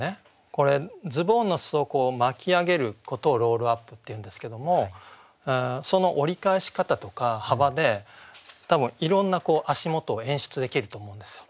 これズボンの裾を巻き上げることをロールアップって言うんですけどもその折り返し方とか幅で多分いろんな足元を演出できると思うんですよ。